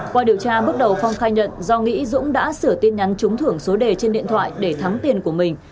qua điều tra bước đầu phong khai nhận do nghĩ dũng đã sửa tin nhắn trúng thưởng số đề trên điện thoại để thắng tiền của mình